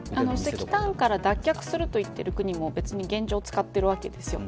石炭から脱却すると言っている国も現状は使っているわけです。